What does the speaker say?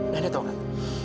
nenek tahu gak